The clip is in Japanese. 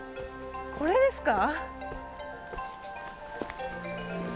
これですか？